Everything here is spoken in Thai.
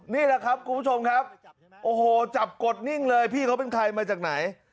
นี่แหละครับคุณผู้ชมครับโอ้โหจับกดนิ่งเลยพี่เขาเป็นใครมาจากไหน